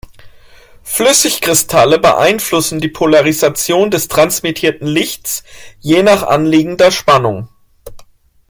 Flüssigkristalle beeinflussen die Polarisation des transmittierten Lichts je nach anliegender Spannung.